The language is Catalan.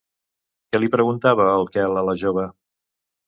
Què li preguntava el Quel a la jove?